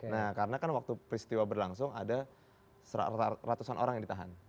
nah karena kan waktu peristiwa berlangsung ada ratusan orang yang ditahan